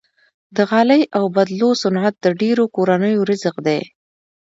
د غالۍ اوبدلو صنعت د ډیرو کورنیو رزق دی۔